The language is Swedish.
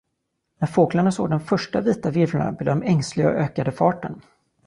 När fåglarna såg de första vita virvlarna, blev de ängsliga och ökade farten.